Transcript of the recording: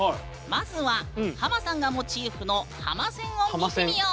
まずはハマさんがモチーフのハマ線を見てみよう。